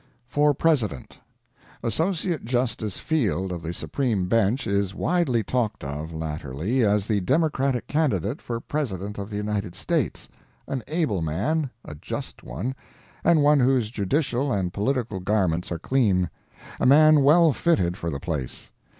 For President. Associate Justice Field of the Supreme Bench is widely talked of, latterly, as the Democratic candidate for President of the United States—an able man, a just one, and one whose judicial and political garments are clean—a man well fitted for the place.